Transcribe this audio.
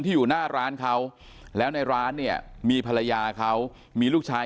อยู่หน้าร้านเขาแล้วในร้านเนี่ยมีภรรยาเขามีลูกชาย